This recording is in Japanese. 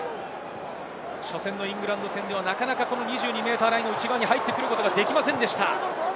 初戦のイングランド戦では２２ｍラインの内側に入ってくることができませんでした。